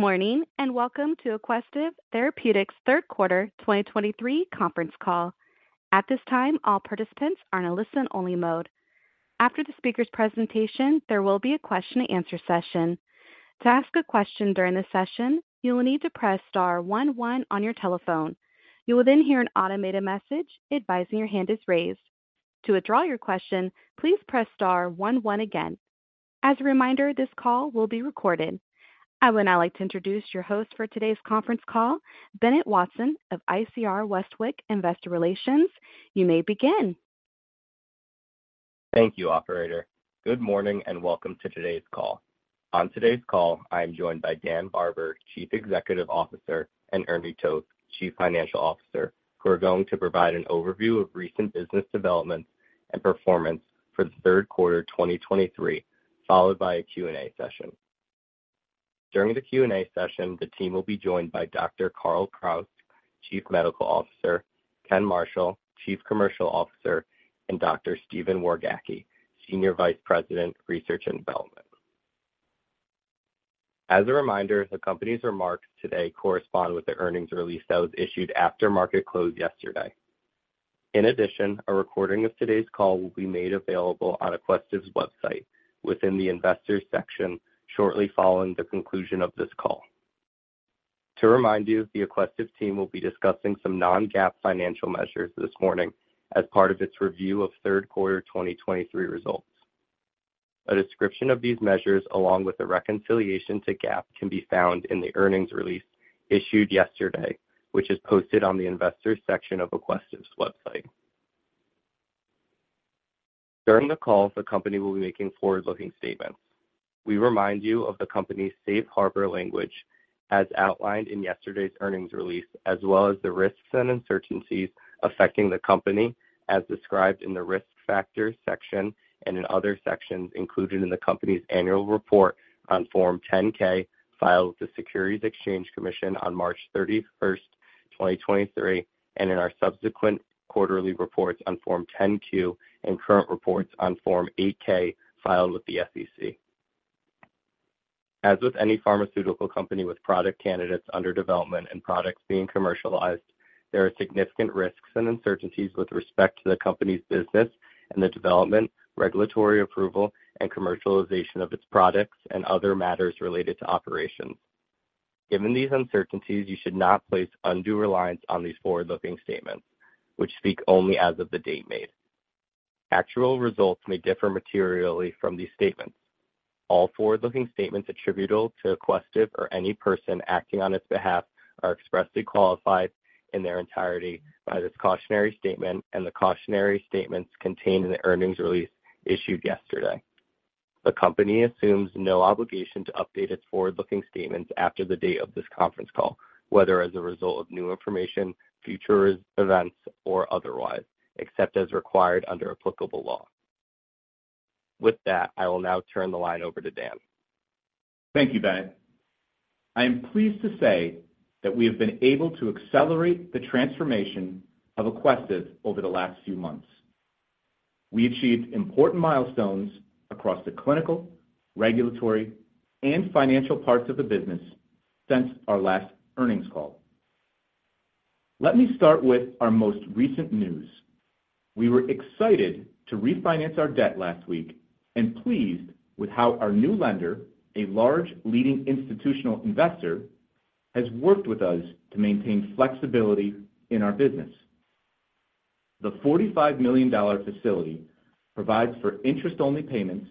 Good morning, and welcome to Aquestive Therapeutics' third quarter 2023 conference call. At this time, all participants are in a listen-only mode. After the speaker's presentation, there will be a question and answer session. To ask a question during the session, you will need to press star one one on your telephone. You will then hear an automated message advising your hand is raised. To withdraw your question, please press star one one again. As a reminder, this call will be recorded. I would now like to introduce your host for today's conference call, Bennett Watson of ICR Westwicke Investor Relations. You may begin. Thank you, operator. Good morning, and welcome to today's call. On today's call, I am joined by Dan Barber, Chief Executive Officer, and Ernie Toth, Chief Financial Officer, who are going to provide an overview of recent business developments and performance for the third quarter 2023, followed by a Q&A session. During the Q&A session, the team will be joined by Dr. Carl Kraus, Chief Medical Officer, Ken Marshall, Chief Commercial Officer, and Dr. Stephen Wargacki, Senior Vice President, Research and Development. As a reminder, the company's remarks today correspond with the earnings release that was issued after market close yesterday. In addition, a recording of today's call will be made available on Aquestive's website within the investors section shortly following the conclusion of this call. To remind you, the Aquestive team will be discussing some non-GAAP financial measures this morning as part of its review of third quarter 2023 results. A description of these measures, along with a reconciliation to GAAP, can be found in the earnings release issued yesterday, which is posted on the investors section of Aquestive's website. During the call, the company will be making forward-looking statements. We remind you of the company's safe harbor language as outlined in yesterday's earnings release, as well as the risks and uncertainties affecting the company, as described in the Risk Factors section and in other sections included in the company's annual report on Form 10-K, filed with the Securities and Exchange Commission on March 31, 2023, and in our subsequent quarterly reports on Form 10-Q and current reports on Form 8-K, filed with the SEC. As with any pharmaceutical company with product candidates under development and products being commercialized, there are significant risks and uncertainties with respect to the company's business and the development, regulatory approval, and commercialization of its products and other matters related to operations. Given these uncertainties, you should not place undue reliance on these forward-looking statements, which speak only as of the date made. Actual results may differ materially from these statements. All forward-looking statements attributable to Aquestive or any person acting on its behalf are expressly qualified in their entirety by this cautionary statement and the cautionary statements contained in the earnings release issued yesterday. The company assumes no obligation to update its forward-looking statements after the date of this conference call, whether as a result of new information, future events, or otherwise, except as required under applicable law. With that, I will now turn the line over to Dan. Thank you, Bennett. I am pleased to say that we have been able to accelerate the transformation of Aquestive over the last few months. We achieved important milestones across the clinical, regulatory, and financial parts of the business since our last earnings call. Let me start with our most recent news. We were excited to refinance our debt last week and pleased with how our new lender, a large leading institutional investor, has worked with us to maintain flexibility in our business. The $45 million facility provides for interest-only payments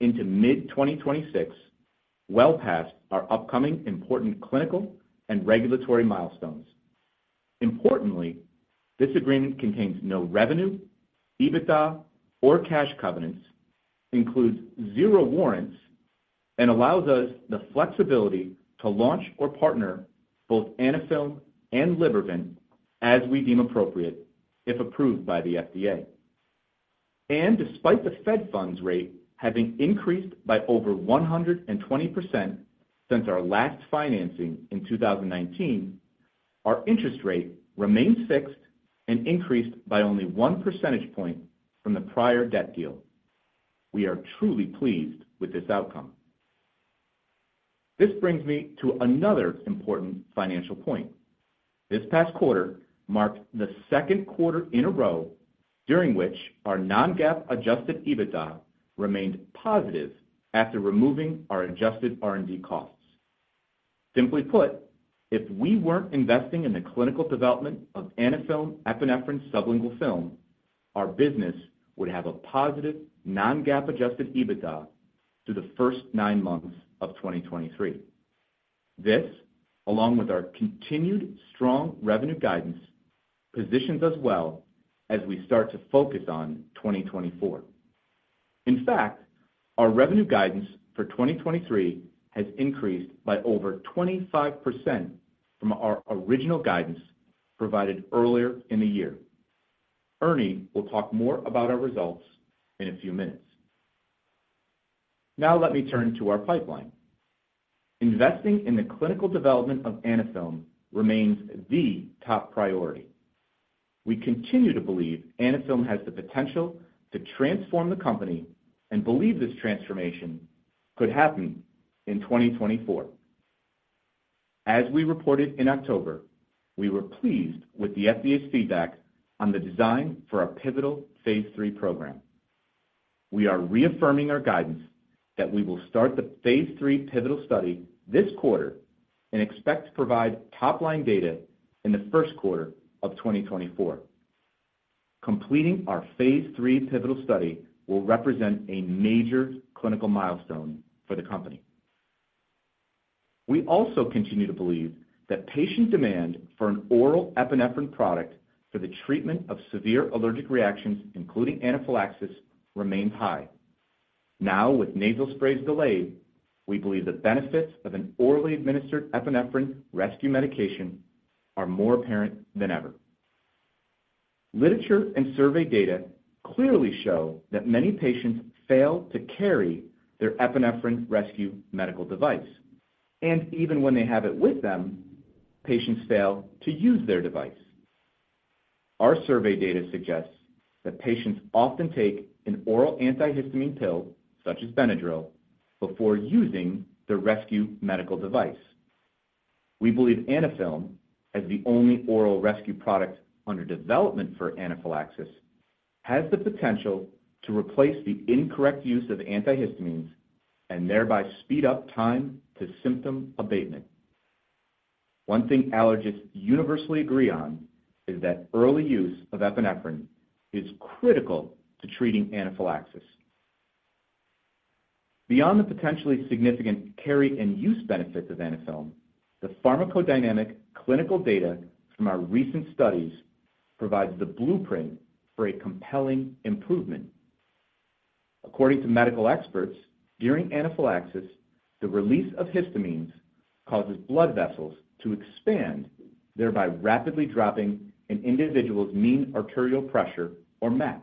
into mid-2026, well past our upcoming important clinical and regulatory milestones. Importantly, this agreement contains no revenue, EBITDA, or cash covenants, includes zero warrants, and allows us the flexibility to launch or partner both Anaphylm and Libervant as we deem appropriate, if approved by the FDA. Despite the Fed funds rate having increased by over 120% since our last financing in 2019, our interest rate remains fixed and increased by only 1 percentage point from the prior debt deal. We are truly pleased with this outcome. This brings me to another important financial point. This past quarter marked the second quarter in a row during which our non-GAAP adjusted EBITDA remained positive after removing our adjusted R&D costs. Simply put, if we weren't investing in the clinical development of Anaphylm epinephrine sublingual film, our business would have a positive non-GAAP adjusted EBITDA through the first nine months of 2023. This, along with our continued strong revenue guidance, positions us well as we start to focus on 2024. In fact, our revenue guidance for 2023 has increased by over 25% from our original guidance provided earlier in the year. Ernie will talk more about our results in a few minutes. Now let me turn to our pipeline. Investing in the clinical development of Anaphylm remains the top priority. We continue to believe Anaphylm has the potential to transform the company and believe this transformation could happen in 2024. As we reported in October, we were pleased with the FDA's feedback on the design for our pivotal phase III program. We are reaffirming our guidance that we will start the phase III pivotal study this quarter and expect to provide top-line data in the first quarter of 2024. Completing our phase III pivotal study will represent a major clinical milestone for the company. We also continue to believe that patient demand for an oral epinephrine product for the treatment of severe allergic reactions, including anaphylaxis, remains high. Now, with nasal sprays delayed, we believe the benefits of an orally administered epinephrine rescue medication are more apparent than ever. Literature and survey data clearly show that many patients fail to carry their epinephrine rescue medical device, and even when they have it with them, patients fail to use their device. Our survey data suggests that patients often take an oral antihistamine pill, such as Benadryl, before using the rescue medical device. We believe Anaphylm, as the only oral rescue product under development for anaphylaxis, has the potential to replace the incorrect use of antihistamines and thereby speed up time to symptom abatement. One thing allergists universally agree on is that early use of epinephrine is critical to treating anaphylaxis. Beyond the potentially significant carry and use benefits of Anaphylm, the pharmacodynamic clinical data from our recent studies provides the blueprint for a compelling improvement. According to medical experts, during anaphylaxis, the release of histamine causes blood vessels to expand, thereby rapidly dropping an individual's mean arterial pressure, or MAP.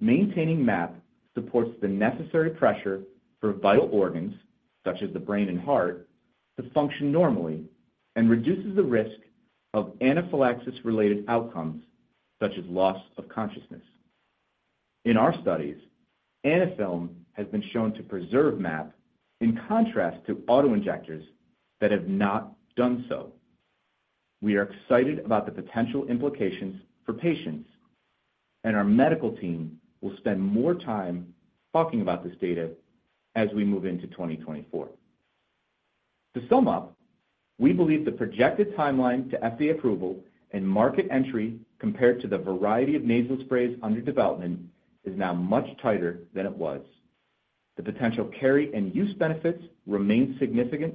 Maintaining MAP supports the necessary pressure for vital organs, such as the brain and heart, to function normally and reduces the risk of anaphylaxis-related outcomes, such as loss of consciousness. In our studies, Anaphylm has been shown to preserve MAP, in contrast to auto-injectors that have not done so. We are excited about the potential implications for patients, and our medical team will spend more time talking about this data as we move into 2024. To sum up, we believe the projected timeline to FDA approval and market entry compared to the variety of nasal sprays under development is now much tighter than it was. The potential carry and use benefits remain significant,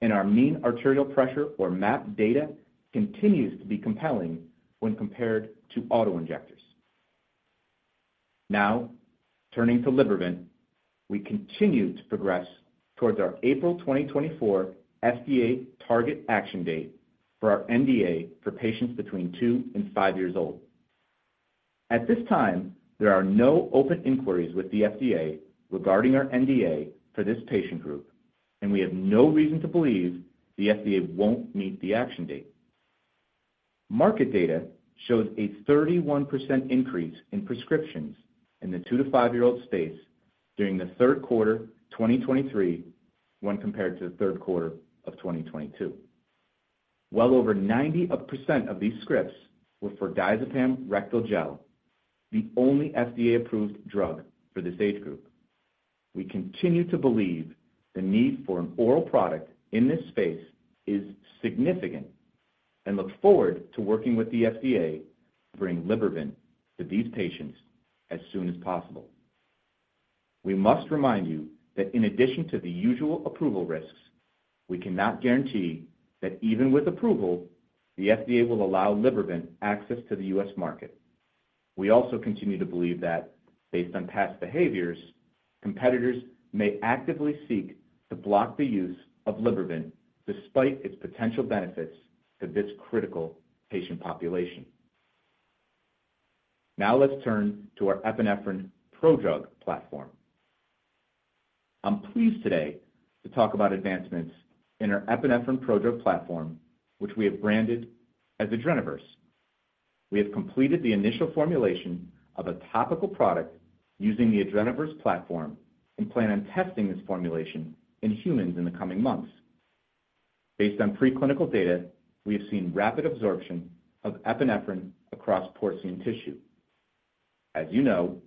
and our mean arterial pressure, or MAP data, continues to be compelling when compared to auto-injectors. Now, turning to Libervant, we continue to progress towards our April 2024 FDA target action date for our NDA for patients between two and five years old. At this time, there are no open inquiries with the FDA regarding our NDA for this patient group, and we have no reason to believe the FDA won't meet the action date. Market data shows a 31% increase in prescriptions in the two to five-year-old space during the third quarter 2023 when compared to the third quarter of 2022. Well over 90% of these scripts were for diazepam rectal gel, the only FDA-approved drug for this age group. We continue to believe the need for an oral product in this space is significant and look forward to working with the FDA to bring Libervant to these patients as soon as possible. We must remind you that in addition to the usual approval risks, we cannot guarantee that even with approval, the FDA will allow Libervant access to the U.S. market. We also continue to believe that based on past behaviors, competitors may actively seek to block the use of Libervant despite its potential benefits to this critical patient population. Now let's turn to our epinephrine prodrug platform. I'm pleased today to talk about advancements in our epinephrine prodrug platform, which we have branded as Adrenaverse. We have completed the initial formulation of a topical product using the Adrenaverse platform and plan on testing this formulation in humans in the coming months. Based on preclinical data, we have seen rapid absorption of epinephrine across porcine tissue. As you know,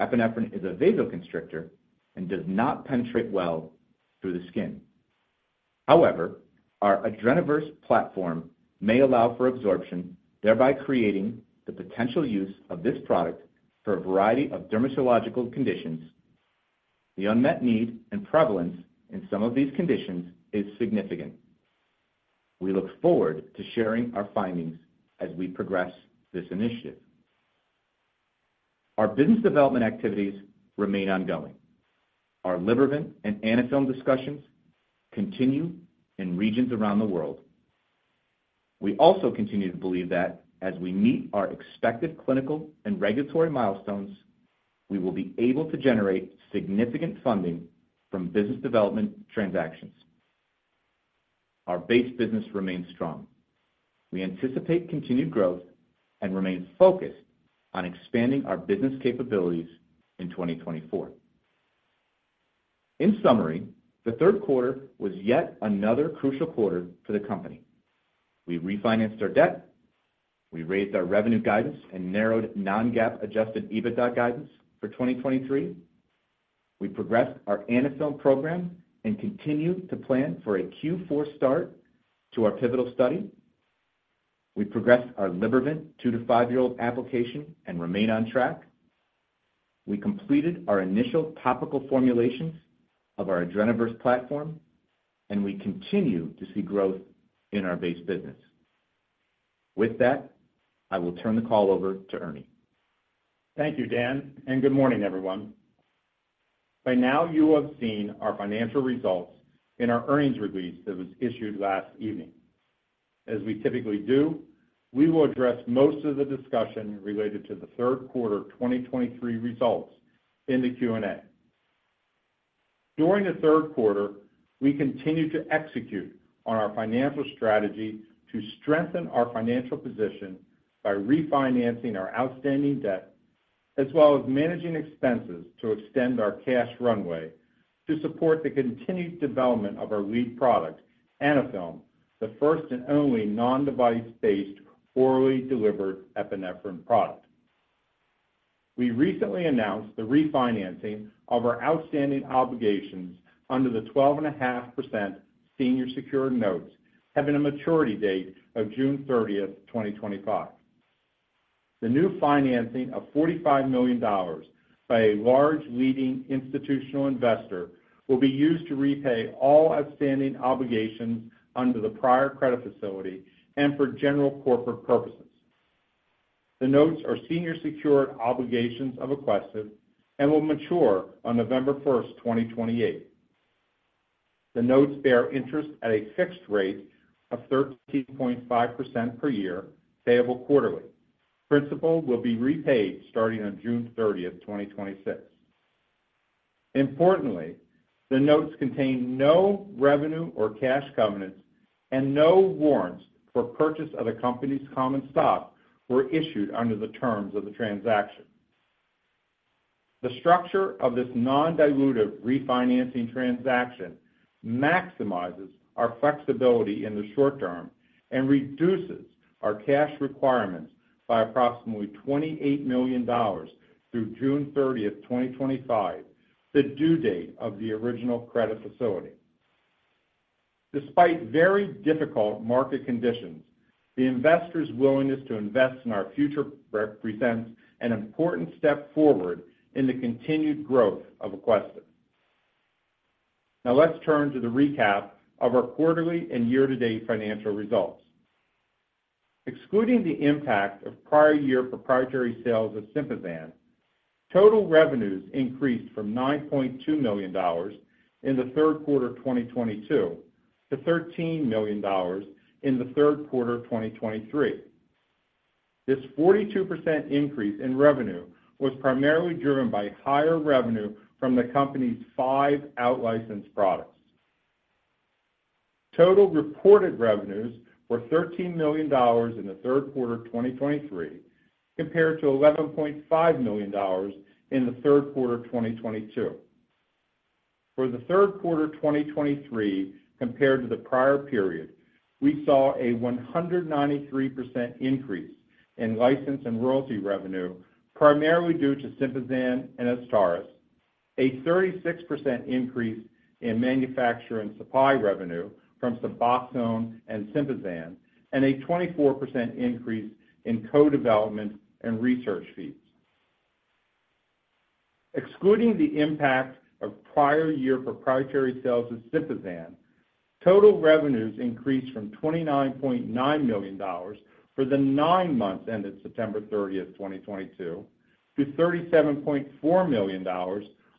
epinephrine is a vasoconstrictor and does not penetrate well through the skin. However, our Adrenaverse platform may allow for absorption, thereby creating the potential use of this product for a variety of dermatological conditions. The unmet need and prevalence in some of these conditions is significant. We look forward to sharing our findings as we progress this initiative. Our business development activities remain ongoing. Our Libervant and Anaphylm discussions continue in regions around the world. We also continue to believe that as we meet our expected clinical and regulatory milestones, we will be able to generate significant funding from business development transactions.... Our base business remains strong. We anticipate continued growth and remain focused on expanding our business capabilities in 2024. In summary, the third quarter was yet another crucial quarter for the company. We refinanced our debt, we raised our revenue guidance and narrowed non-GAAP adjusted EBITDA guidance for 2023. We progressed our Anaphylm program and continued to plan for a Q4 start to our pivotal study. We progressed our Libervant 2-5-year-old application and remain on track. We completed our initial topical formulations of our Adrenaverse platform, and we continue to see growth in our base business. With that, I will turn the call over to Ernie. Thank you, Dan, and good morning, everyone. By now, you have seen our financial results in our earnings release that was issued last evening. As we typically do, we will address most of the discussion related to the third quarter of 2023 results in the Q&A. During the third quarter, we continued to execute on our financial strategy to strengthen our financial position by refinancing our outstanding debt, as well as managing expenses to extend our cash runway to support the continued development of our lead product, Anaphylm, the first and only non-device-based orally delivered epinephrine product. We recently announced the refinancing of our outstanding obligations under the 12.5% senior secured notes, having a maturity date of June 30, 2025. The new financing of $45 million by a large leading institutional investor will be used to repay all outstanding obligations under the prior credit facility and for general corporate purposes. The notes are senior secured obligations of Aquestive and will mature on November 1, 2028. The notes bear interest at a fixed rate of 13.5% per year, payable quarterly. Principal will be repaid starting on June 30, 2026. Importantly, the notes contain no revenue or cash covenants, and no warrants for purchase of the company's common stock were issued under the terms of the transaction. The structure of this non-dilutive refinancing transaction maximizes our flexibility in the short term and reduces our cash requirements by approximately $28 million through June 30, 2025, the due date of the original credit facility. Despite very difficult market conditions, the investor's willingness to invest in our future represents an important step forward in the continued growth of Aquestive. Now, let's turn to the recap of our quarterly and year-to-date financial results. Excluding the impact of prior year proprietary sales of Sympazan, total revenues increased from $9.2 million in the third quarter of 2022 to $13 million in the third quarter of 2023. This 42% increase in revenue was primarily driven by higher revenue from the company's five out-licensed products. Total reported revenues were $13 million in the third quarter of 2023, compared to $11.5 million in the third quarter of 2022. For the third quarter of 2023, compared to the prior period, we saw a 193% increase in license and royalty revenue, primarily due to Sympazan and Azstarys, a 36% increase in manufacture and supply revenue from Suboxone and Sympazan, and a 24% increase in co-development and research fees. Excluding the impact of prior year proprietary sales of Sympazan, total revenues increased from $29.9 million for the nine months ended September 30, 2022, to $37.4 million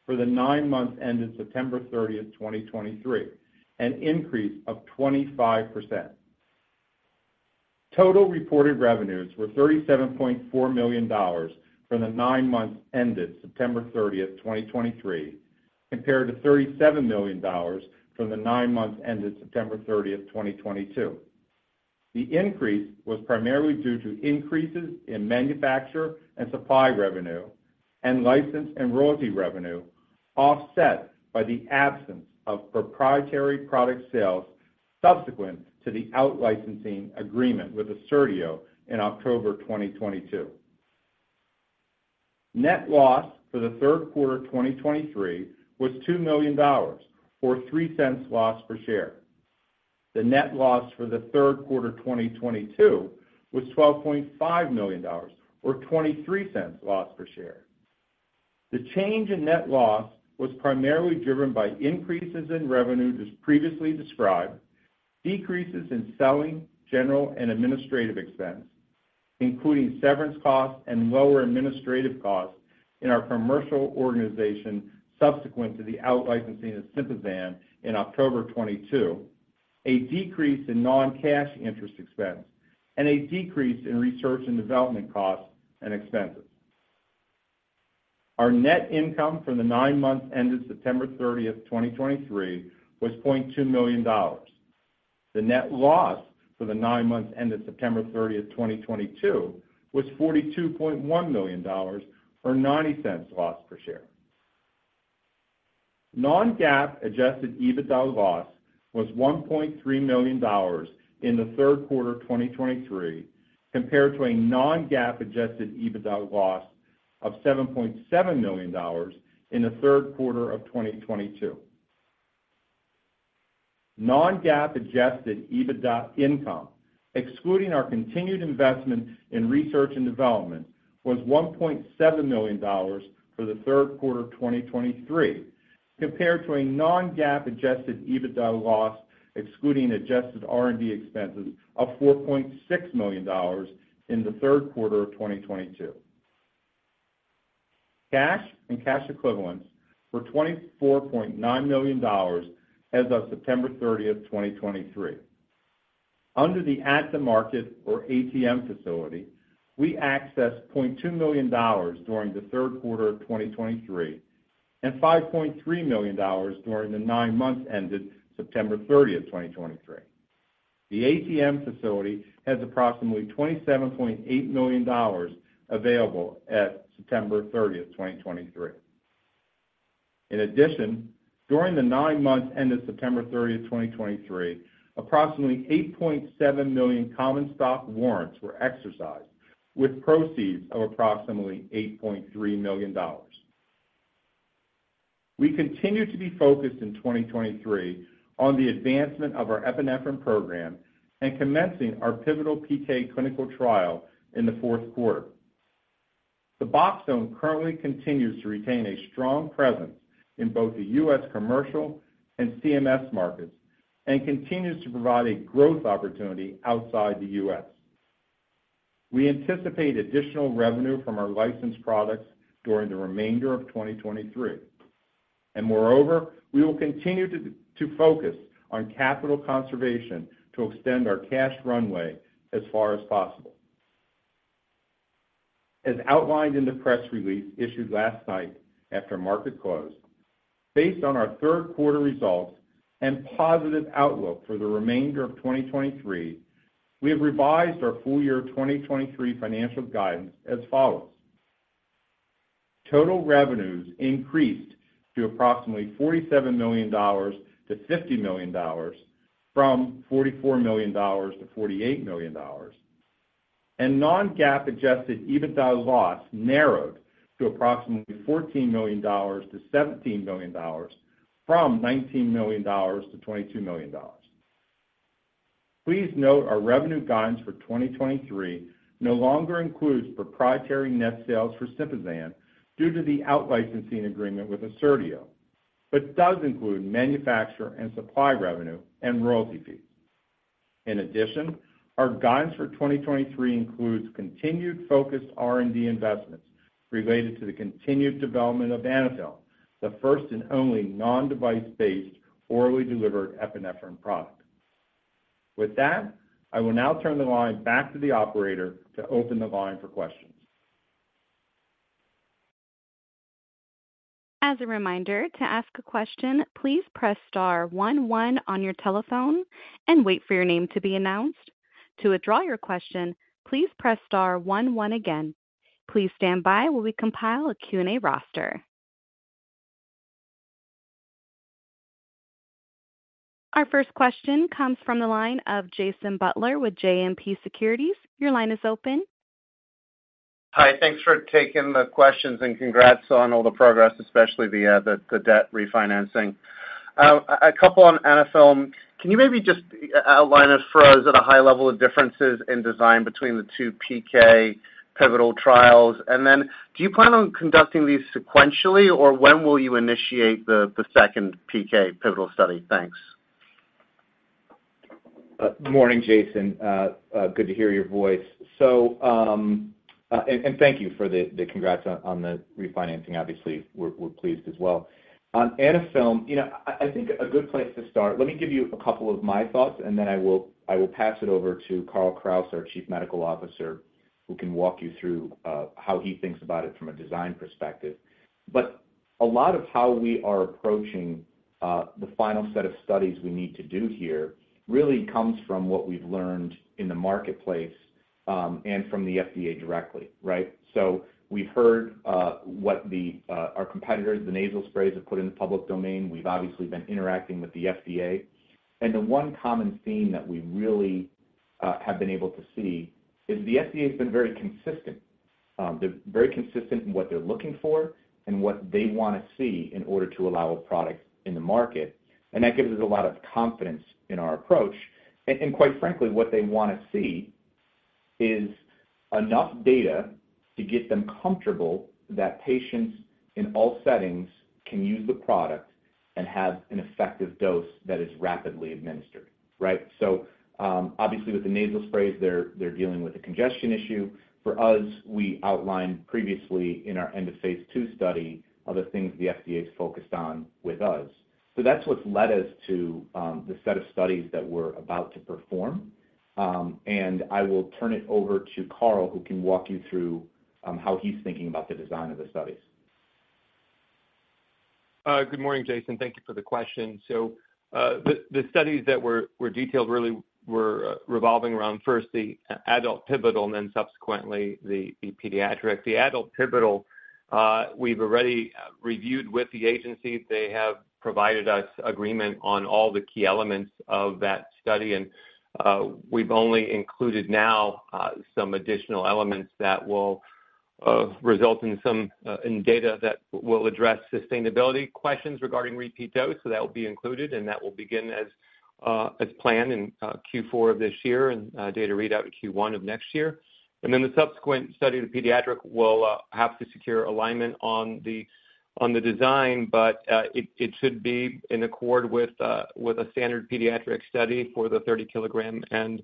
for the nine months ended September 30, 2023, an increase of 25%. Total reported revenues were $37.4 million for the nine months ended September 30, 2023, compared to $37 million for the nine months ended September 30, 2022. The increase was primarily due to increases in manufacture and supply revenue and license and royalty revenue, offset by the absence of proprietary product sales subsequent to the out-licensing agreement with Assertio in October 2022. Net loss for the third quarter 2023 was $2 million, or $0.03 loss per share. The net loss for the third quarter 2022 was $12.5 million, or $0.23 loss per share. The change in net loss was primarily driven by increases in revenue, as previously described. Decreases in selling, general, and administrative expenses, including severance costs and lower administrative costs in our commercial organization subsequent to the out-licensing of Sympazan in October 2022. A decrease in non-cash interest expense. And a decrease in research and development costs and expenses.... Our net income for the nine months ended September thirtieth, 2023, was $0.2 million. The net loss for the 9 months ended September 30, 2022, was $42.1 million, or $0.90 loss per share. Non-GAAP adjusted EBITDA loss was $1.3 million in the third quarter of 2023, compared to a non-GAAP adjusted EBITDA loss of $7.7 million in the third quarter of 2022. Non-GAAP adjusted EBITDA income, excluding our continued investment in research and development, was $1.7 million for the third quarter of 2023, compared to a non-GAAP adjusted EBITDA loss, excluding adjusted R&D expenses, of $4.6 million in the third quarter of 2022. Cash and cash equivalents were $24.9 million as of September 30, 2023. Under the at-the-market, or ATM facility, we accessed $0.2 million during the third quarter of 2023, and $5.3 million during the nine months ended September 30, 2023. The ATM facility has approximately $27.8 million available at September 30, 2023. In addition, during the nine months ended September 30, 2023, approximately 8.7 million common stock warrants were exercised, with proceeds of approximately $8.3 million. We continue to be focused in 2023 on the advancement of our epinephrine program and commencing our pivotal PK clinical trial in the fourth quarter. The Boxed Dose currently continues to retain a strong presence in both the U.S. commercial and CMS markets and continues to provide a growth opportunity outside the U.S. We anticipate additional revenue from our licensed products during the remainder of 2023. Moreover, we will continue to focus on capital conservation to extend our cash runway as far as possible. As outlined in the press release issued last night after market close, based on our third quarter results and positive outlook for the remainder of 2023, we have revised our full year 2023 financial guidance as follows: Total revenues increased to approximately $47 million-$50 million, from $44 million-$48 million, and non-GAAP adjusted EBITDA loss narrowed to approximately $14 million-$17 million, from $19 million-$22 million. Please note our revenue guidance for 2023 no longer includes proprietary net sales for Sympazan due to the out-licensing agreement with Assertio, but does include manufacture and supply revenue and royalty fees. In addition, our guidance for 2023 includes continued focused R&D investments related to the continued development of Anaphylm, the first and only non-device-based orally delivered epinephrine product. With that, I will now turn the line back to the operator to open the line for questions. As a reminder, to ask a question, please press star one, one on your telephone and wait for your name to be announced. To withdraw your question, please press star one, one again. Please stand by while we compile a Q&A roster. Our first question comes from the line of Jason Butler with JMP Securities. Your line is open. Hi, thanks for taking the questions, and congrats on all the progress, especially the debt refinancing. A couple on Anaphylm. Can you maybe just outline us for us at a high level the differences in design between the two PK pivotal trials? And then do you plan on conducting these sequentially, or when will you initiate the second PK pivotal study? Thanks. Good morning, Jason. Good to hear your voice. So, thank you for the congrats on the refinancing. Obviously, we're pleased as well. On Anaphylm, you know, I think a good place to start, let me give you a couple of my thoughts, and then I will pass it over to Carl Kraus, our Chief Medical Officer, who can walk you through how he thinks about it from a design perspective. But a lot of how we are approaching the final set of studies we need to do here really comes from what we've learned in the marketplace, and from the FDA directly, right? So we've heard what our competitors, the nasal sprays, have put in the public domain. We've obviously been interacting with the FDA. And the one common theme that we really have been able to see is the FDA has been very consistent. They're very consistent in what they're looking for and what they want to see in order to allow a product in the market, and that gives us a lot of confidence in our approach. And quite frankly, what they want to see is enough data to get them comfortable that patients in all settings can use the product and have an effective dose that is rapidly administered, right? So, obviously, with the nasal sprays, they're dealing with a congestion issue. For us, we outlined previously in our end of phase II study other things the FDA is focused on with us. So that's what's led us to the set of studies that we're about to perform. I will turn it over to Carl, who can walk you through how he's thinking about the design of the studies.... Good morning, Jason. Thank you for the question. So, the studies that were detailed really were revolving around, first, the adult pivotal, and then subsequently, the pediatric. The adult pivotal, we've already reviewed with the agency. They have provided us agreement on all the key elements of that study, and we've only included now some additional elements that will result in some data that will address sustainability questions regarding repeat dose. So that will be included, and that will begin as planned in Q4 of this year, and data readout in Q1 of next year. And then the subsequent study, the pediatric, will have to secure alignment on the design, but it should be in accord with a standard pediatric study for the 30-kilogram and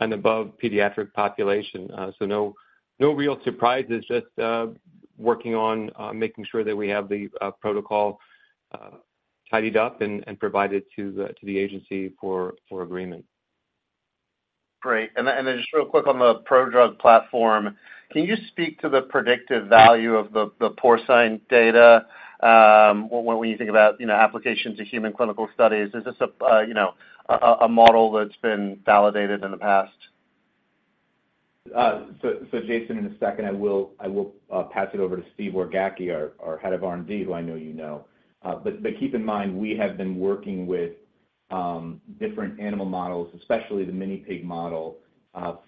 above pediatric population. So no real surprises, just working on making sure that we have the protocol tidied up and provided to the agency for agreement. Great. And then just real quick on the prodrug platform, can you speak to the predictive value of the porcine data, when you think about, you know, applications to human clinical studies? Is this a you know a model that's been validated in the past? So Jason, in a second, I will pass it over to Steve Wargacki, our Head of R&D, who I know you know. But keep in mind, we have been working with different animal models, especially the mini pig model,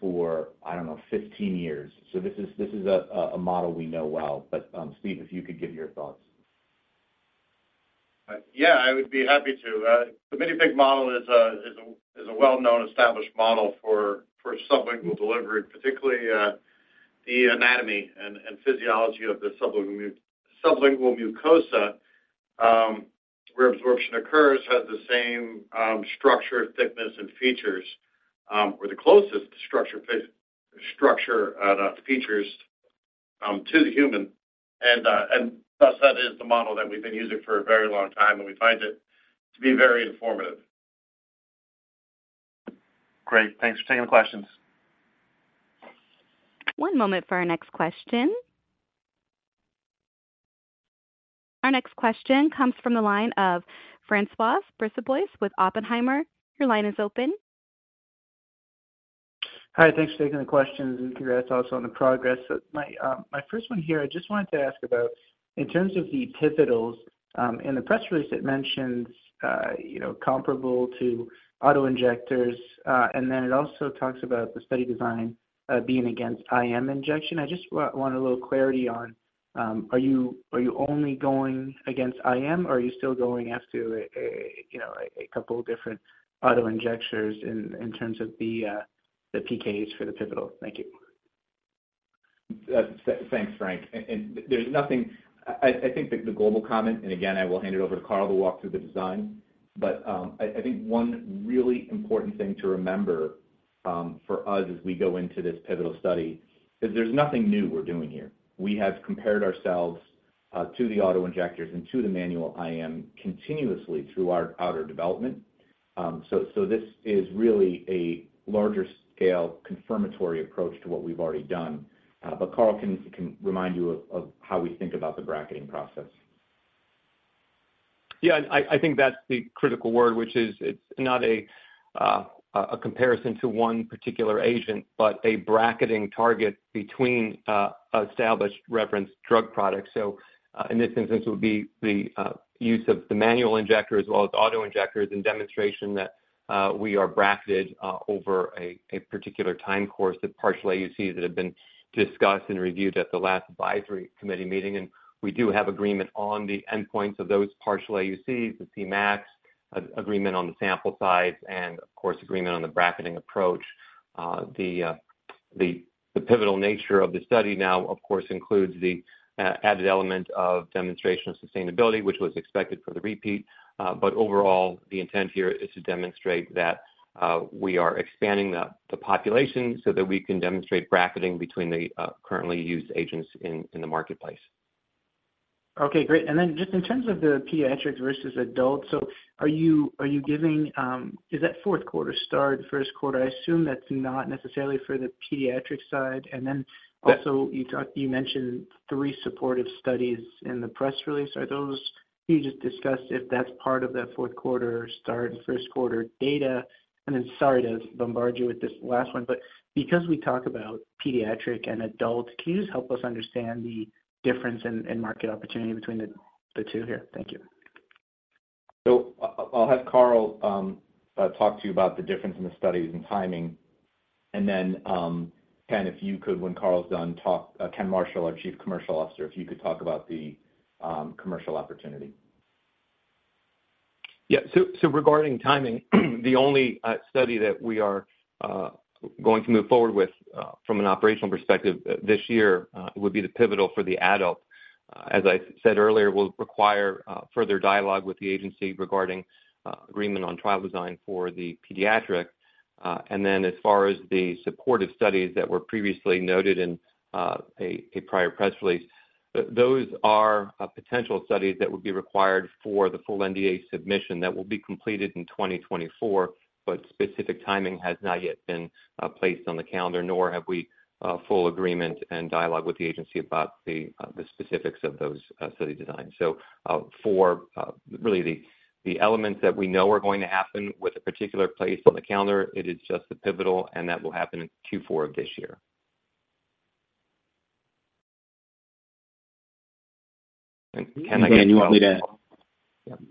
for, I don't know, 15 years. So this is a model we know well. But Steve, if you could give your thoughts. Yeah, I would be happy to. The mini pig model is a well-known established model for sublingual delivery, particularly the anatomy and physiology of the sublingual mucosa, where absorption occurs, has the same structure, thickness, and features, or the closest structure, features to the human. Thus, that is the model that we've been using for a very long time, and we find it to be very informative. Great. Thanks for taking the questions. One moment for our next question. Our next question comes from the line of François Brisebois with Oppenheimer. Your line is open. Hi, thanks for taking the questions, and congrats also on the progress. So my first one here, I just wanted to ask about, in terms of the pivotals, in the press release, it mentions, you know, comparable to auto injectors, and then it also talks about the study design, being against IM injection. I just want a little clarity on, are you, are you only going against IM, or are you still going after a, you know, a couple of different auto injectors in, in terms of the, the PKs for the pivotal? Thank you. Thanks, Frank. And there's nothing. I think the global comment, and again, I will hand it over to Carl to walk through the design. But I think one really important thing to remember, for us as we go into this pivotal study, is there's nothing new we're doing here. We have compared ourselves to the auto injectors and to the manual IM continuously through our earlier development. So this is really a larger scale confirmatory approach to what we've already done. But Carl can remind you of how we think about the bracketing process. Yeah, and I think that's the critical word, which is it's not a comparison to one particular agent, but a bracketing target between established reference drug products. So, in this instance, it would be the use of the manual injector as well as the auto injectors, and demonstration that we are bracketed over a particular time course of partial AUCs that have been discussed and reviewed at the last advisory committee meeting. And we do have agreement on the endpoints of those partial AUCs, the Cmax, and agreement on the sample size, and of course, agreement on the bracketing approach. The pivotal nature of the study now, of course, includes the added element of demonstration of sustainability, which was expected for the repeat. But overall, the intent here is to demonstrate that we are expanding the population so that we can demonstrate bracketing between the currently used agents in the marketplace. Okay, great. And then just in terms of the pediatrics versus adult, so are you, are you giving, Is that fourth quarter start, first quarter? I assume that's not necessarily for the pediatric side. And then also- Yeah. You talked, you mentioned three supportive studies in the press release. Are those, can you just discuss if that's part of that fourth quarter start and first quarter data? And then sorry to bombard you with this last one, but because we talk about pediatric and adult, can you just help us understand the difference in, in market opportunity between the, the two here? Thank you. I'll have Carl talk to you about the difference in the studies and timing. And then, Ken, if you could, when Carl's done, talk, Ken Marshall, our Chief Commercial Officer, if you could talk about the commercial opportunity. Yeah. So, so regarding timing, the only study that we are going to move forward with from an operational perspective this year would be the pivotal for the adult. As I said earlier, we'll require further dialogue with the agency regarding agreement on trial design for the pediatric. And then as far as the supportive studies that were previously noted in a prior press release, those are potential studies that would be required for the full NDA submission that will be completed in 2024, but specific timing has not yet been placed on the calendar, nor have we full agreement and dialogue with the agency about the specifics of those study designs. So, for really the elements that we know are going to happen with a particular place on the calendar, it is just the pivotal, and that will happen in Q4 of this year. And Ken, you want me to?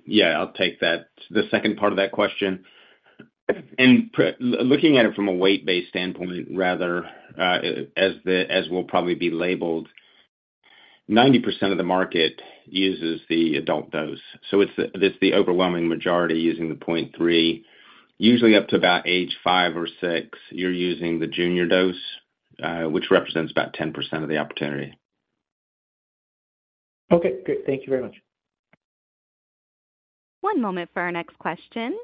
Yeah, I'll take that. The second part of that question. In looking at it from a weight-based standpoint, rather, as the, as we'll probably be labeled, 90% of the market uses the adult dose. So it's the, it's the overwhelming majority using the 0.3. Usually, up to about age five or six, you're using the junior dose, which represents about 10% of the opportunity. Okay, great. Thank you very much. One moment for our next question.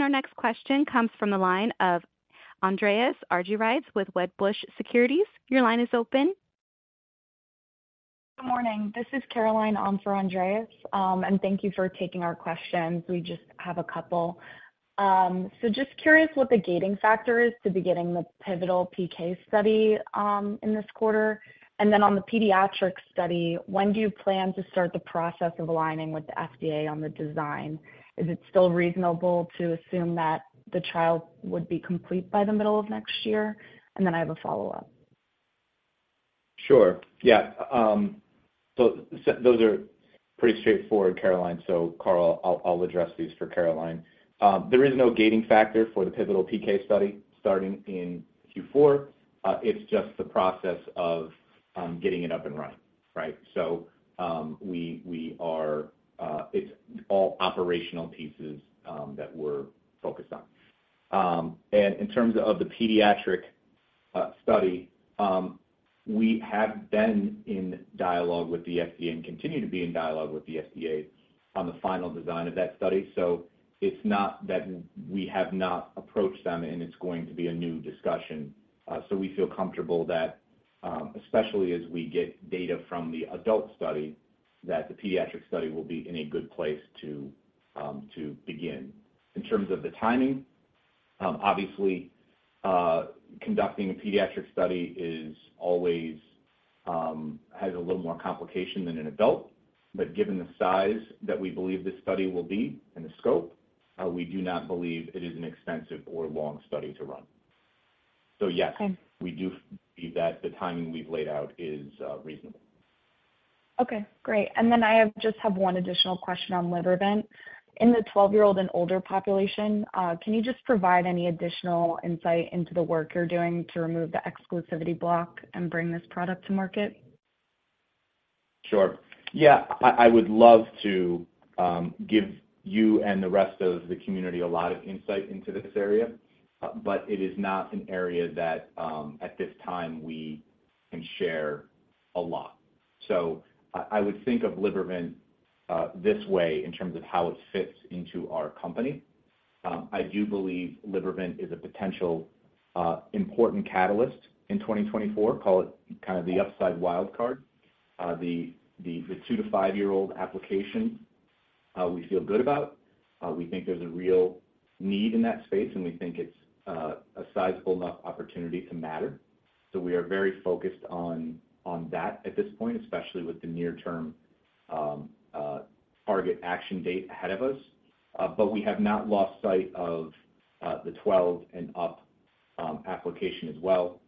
Our next question comes from the line of Andreas Argyrides with Wedbush Securities. Your line is open. Good morning. This is Caroline on for Andreas, and thank you for taking our questions. We just have a couple. So just curious what the gating factor is to beginning the pivotal PK study in this quarter. And then on the pediatric study, when do you plan to start the process of aligning with the FDA on the design? Is it still reasonable to assume that the trial would be complete by the middle of next year? And then I have a follow-up. Sure. Yeah, so those are pretty straightforward, Caroline. So Carl, I'll address these for Caroline. There is no gating factor for the pivotal PK study starting in Q4. It's just the process of getting it up and running, right? So, we are, it's all operational pieces that we're focused on. And in terms of the pediatric study, we have been in dialogue with the FDA and continue to be in dialogue with the FDA on the final design of that study. So it's not that we have not approached them, and it's going to be a new discussion. So we feel comfortable that, especially as we get data from the adult study, that the pediatric study will be in a good place to begin. In terms of the timing, obviously, conducting a pediatric study is always a little more complicated than an adult. But given the size that we believe this study will be and the scope, we do not believe it is an extensive or long study to run. So yes- Okay. We do believe that the timing we've laid out is reasonable. Okay, great. And then I just have one additional question on Libervant. In the 12-year-old and older population, can you just provide any additional insight into the work you're doing to remove the exclusivity block and bring this product to market? Sure. Yeah, I would love to give you and the rest of the community a lot of insight into this area, but it is not an area that at this time we can share a lot. So I would think of Libervant this way in terms of how it fits into our company. I do believe Libervant is a potential important catalyst in 2024. Call it kind of the upside wild card. The two to five-year-old application we feel good about. We think there's a real need in that space, and we think it's a sizable enough opportunity to matter. So we are very focused on that at this point, especially with the near-term target action date ahead of us. But we have not lost sight of the 12 and up application as well.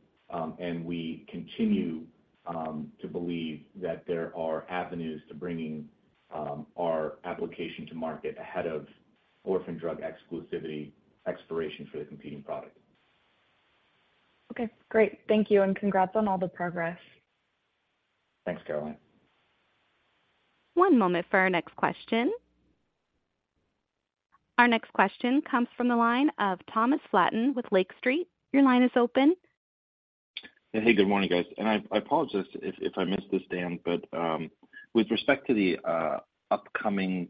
We continue to believe that there are avenues to bringing our application to market ahead of Orphan Drug Exclusivity expiration for the competing product. Okay, great. Thank you, and congrats on all the progress. Thanks, Caroline. One moment for our next question. Our next question comes from the line of Thomas Flaten with Lake Street. Your line is open. Hey, good morning, guys. And I apologize if I missed this, Dan, but with respect to the upcoming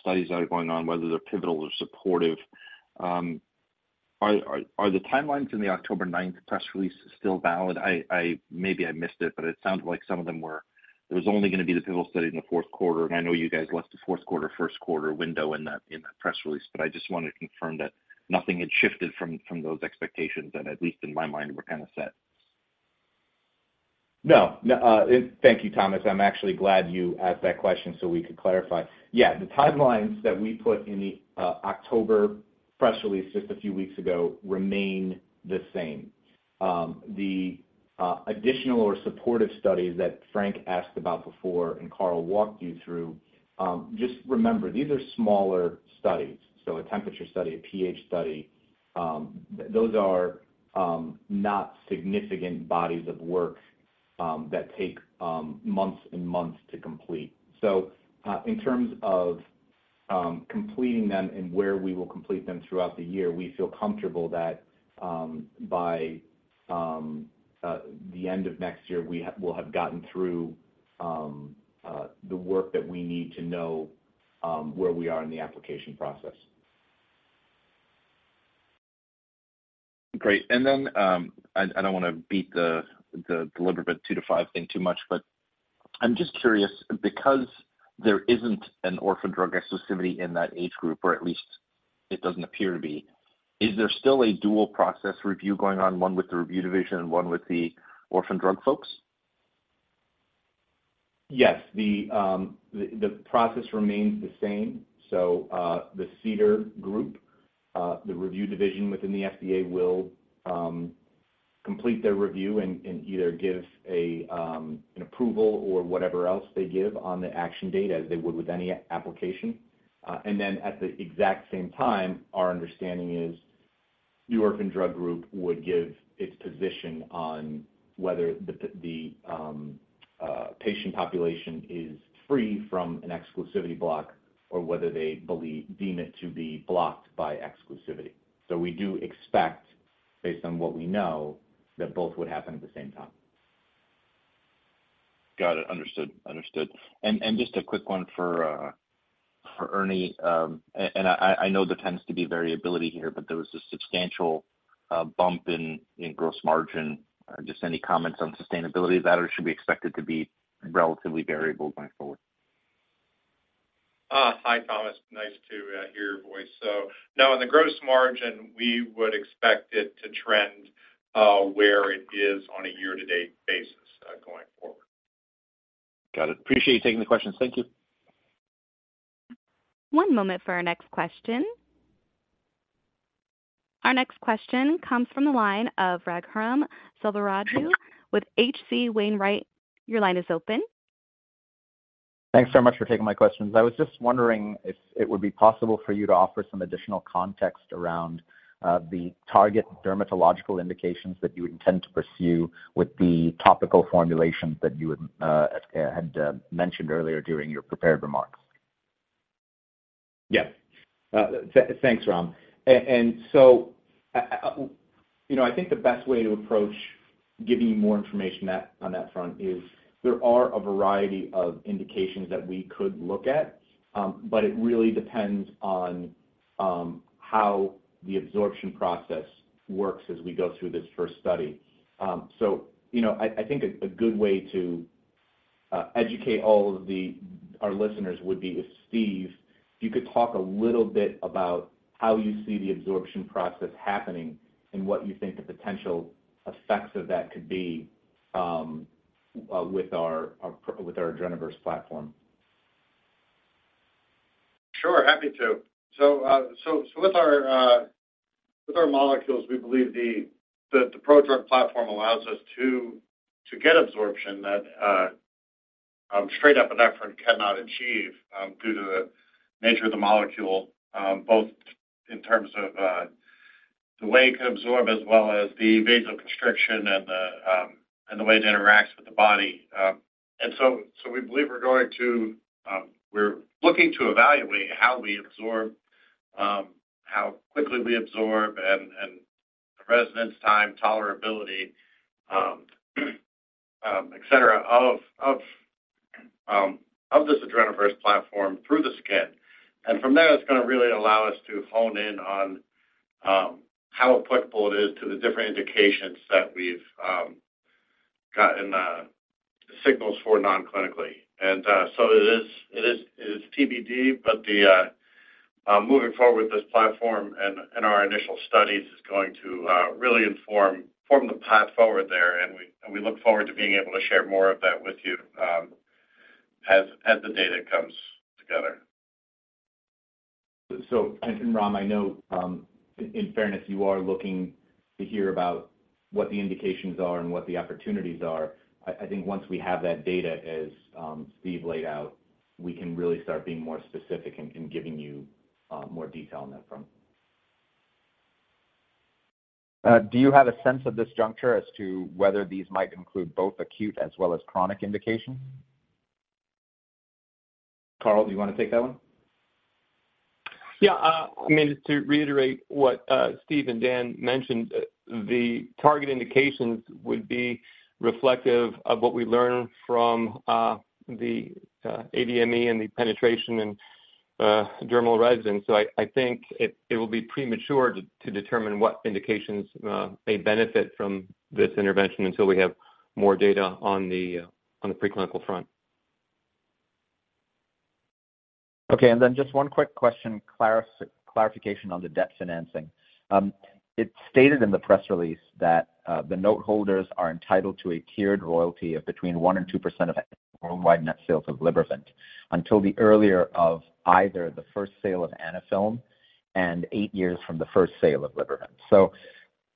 studies that are going on, whether they're pivotal or supportive, are the timelines in the October ninth press release still valid? I maybe missed it, but it sounded like some of them were... It was only gonna be the pivotal study in the fourth quarter. And I know you guys left the fourth quarter, first quarter window in that press release, but I just wanted to confirm that nothing had shifted from those expectations that, at least in my mind, were kind of set. No, no. Thank you, Thomas. I'm actually glad you asked that question so we could clarify. Yeah, the timelines that we put in the October press release just a few weeks ago remain the same. The additional or supportive studies that Frank asked about before, and Carl walked you through, just remember, these are smaller studies. So a temperature study, a pH study, those are not significant bodies of work that take months and months to complete. So, in terms of completing them and where we will complete them throughout the year, we feel comfortable that, by the end of next year, we'll have gotten through the work that we need to know where we are in the application process. Great. And then, I don't want to beat the Libervant two to five thing too much, but I'm just curious, because there isn't an Orphan Drug Exclusivity in that age group, or at least it doesn't appear to be, is there still a dual process review going on, one with the review division and one with the orphan drug folks? Yes. The process remains the same. So, the review division within the FDA will complete their review and either give an approval or whatever else they give on the action date, as they would with any application. And then at the exact same time, our understanding is the Orphan Drug Group would give its position on whether the patient population is free from an exclusivity block or whether they deem it to be blocked by exclusivity. So we do expect, based on what we know, that both would happen at the same time. Got it. Understood, understood. And just a quick one for Ernie. And I know there tends to be variability here, but there was a substantial bump in gross margin. Just any comments on sustainability of that, or should we expect it to be relatively variable going forward? Hi, Thomas. Nice to hear your voice. So now on the gross margin, we would expect it to trend where it is on a year-to-date basis, going forward. Got it. Appreciate you taking the questions. Thank you. One moment for our next question. Our next question comes from the line of Raghuram Selvaraju with H.C. Wainwright. Your line is open. Thanks so much for taking my questions. I was just wondering if it would be possible for you to offer some additional context around the target dermatological indications that you intend to pursue with the topical formulations that you had mentioned earlier during your prepared remarks? Yeah. Thanks, Ram. And so, you know, I think the best way to approach giving you more information on that front is there are a variety of indications that we could look at, but it really depends on how the absorption process works as we go through this first study. So, you know, I think a good way to educate all of our listeners would be if, Steve, you could talk a little bit about how you see the absorption process happening and what you think the potential effects of that could be with our Adrenaverse platform. Sure, happy to. So with our molecules, we believe that the prodrug platform allows us to get absorption that straight epinephrine cannot achieve, due to the nature of the molecule, both in terms of the way it can absorb, as well as the vasoconstriction and the way it interacts with the body. And so we believe we're going to evaluate how we absorb, how quickly we absorb and the residence time, tolerability, et cetera, of this Adrenaverse platform through the skin. And from there, it's gonna really allow us to hone in on how applicable it is to the different indications that we've gotten signals for non-clinically. So it is TBD, but moving forward with this platform and our initial studies is going to really inform the path forward there, and we look forward to being able to share more of that with you, as the data comes together. So, and Ram, I know in fairness, you are looking to hear about what the indications are and what the opportunities are. I think once we have that data, as Steve laid out, we can really start being more specific in giving you more detail on that front. Do you have a sense of this juncture as to whether these might include both acute as well as chronic indication? Carl, do you want to take that one? Yeah, I mean, just to reiterate what Steve and Dan mentioned, the target indications would be reflective of what we learn from the ADME and the penetration and dermal residence. So I think it will be premature to determine what indications may benefit from this intervention until we have more data on the preclinical front. Okay, and then just one quick question, clarification on the debt financing. It's stated in the press release that the note holders are entitled to a tiered royalty of between 1% and 2% of worldwide net sales of Libervant, until the earlier of either the first sale of Anaphylm and eight years from the first sale of Libervant. So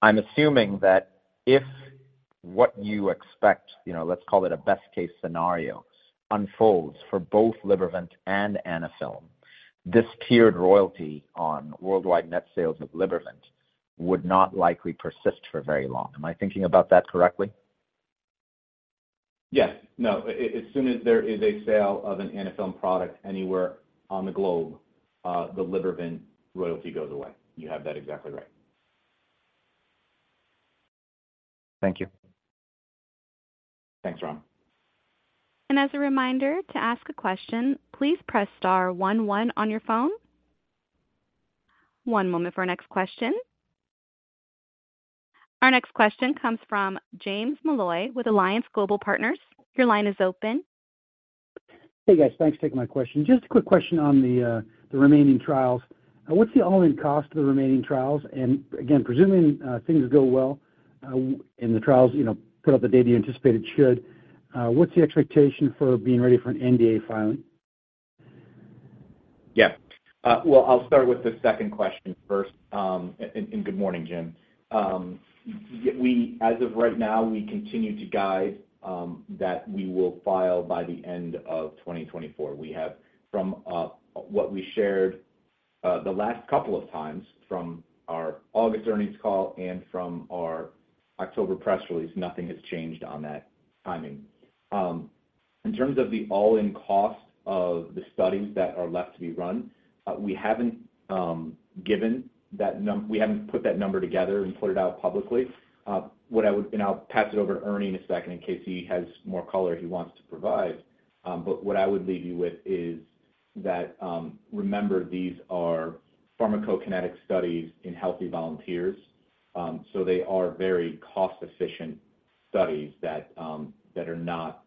I'm assuming that if what you expect, you know, let's call it a best case scenario, unfolds for both Libervant and Anaphylm, this tiered royalty on worldwide net sales of Libervant would not likely persist for very long. Am I thinking about that correctly? Yes. No, as soon as there is a sale of an Anaphylm product anywhere on the globe, the Libervant royalty goes away. You have that exactly right. Thank you. Thanks, Ram. As a reminder, to ask a question, please press star one, one on your phone. One moment for our next question. Our next question comes from James Molloy with Alliance Global Partners. Your line is open. Hey, guys. Thanks for taking my question. Just a quick question on the remaining trials. What's the all-in cost of the remaining trials? And again, presuming things go well, and the trials, you know, put up the data you anticipate it should, what's the expectation for being ready for an NDA filing?... Yeah. Well, I'll start with the second question first, and good morning, Jim. We—as of right now, we continue to guide that we will file by the end of 2024. We have from what we shared the last couple of times from our August earnings call and from our October press release, nothing has changed on that timing. In terms of the all-in cost of the studies that are left to be run, we haven't given that num—we haven't put that number together and put it out publicly. What I would, and I'll pass it over to Ernie in a second in case he has more color he wants to provide. But what I would leave you with is that, remember, these are pharmacokinetic studies in healthy volunteers, so they are very cost-efficient studies that are not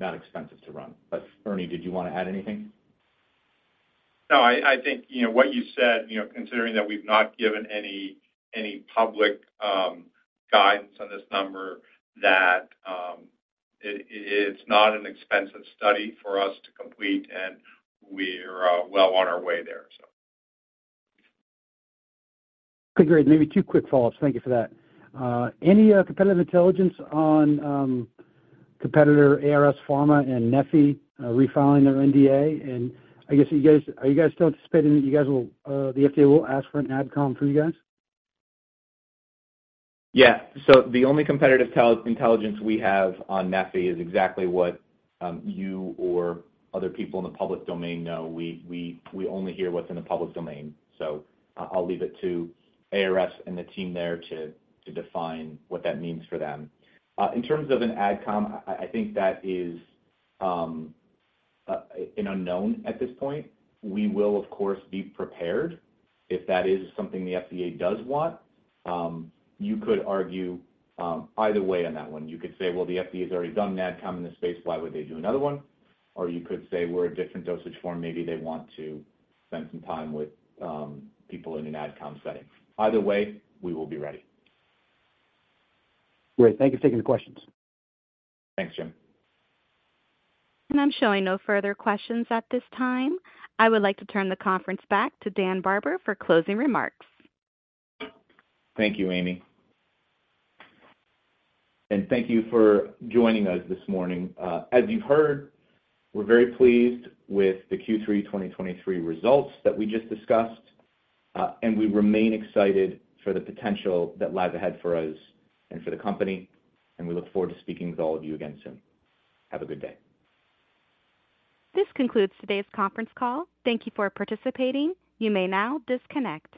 expensive to run. But Ernie, did you want to add anything? No, I think, you know, what you said, you know, considering that we've not given any public guidance on this number, that it's not an expensive study for us to complete, and we're well on our way there, so. Okay, great. Maybe two quick follow-ups. Thank you for that. Any competitive intelligence on competitor ARS Pharmaceuticals and neffy refiling their NDA? And I guess you guys, are you guys still anticipating that you guys will, the FDA will ask for an ad com from you guys? Yeah. So the only competitive intelligence we have on neffy is exactly what you or other people in the public domain know. We only hear what's in the public domain, so I'll leave it to ARS and the team there to define what that means for them. In terms of an ad com, I think that is an unknown at this point. We will, of course, be prepared if that is something the FDA does want. You could argue either way on that one. You could say, "Well, the FDA has already done an ad com in this space. Why would they do another one?" Or you could say, "We're a different dosage form. Maybe they want to spend some time with people in an ad com setting." Either way, we will be ready. Great. Thank you for taking the questions. Thanks, Jim. I'm showing no further questions at this time. I would like to turn the conference back to Dan Barber for closing remarks. Thank you, Amy. Thank you for joining us this morning. As you've heard, we're very pleased with the Q3 2023 results that we just discussed, and we remain excited for the potential that lies ahead for us and for the company, and we look forward to speaking with all of you again soon. Have a good day. This concludes today's conference call. Thank you for participating. You may now disconnect.